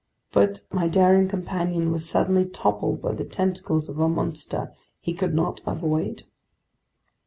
But my daring companion was suddenly toppled by the tentacles of a monster he could not avoid.